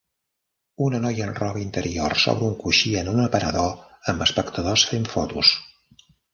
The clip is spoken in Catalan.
Una noia en roba interior sobre un coixí en un aparador amb espectadors fent fotos.